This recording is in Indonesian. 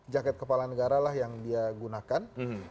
jaket kepala negara lah yang dia gunakan